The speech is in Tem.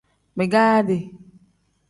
Bigaadi.